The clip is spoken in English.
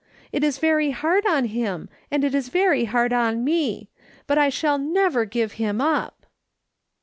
It is very hard on him, and it is very hard on me ; but I shall never give him up."